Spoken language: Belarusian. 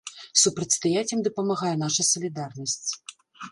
Супрацьстаяць ім дапамагае наша салідарнасць.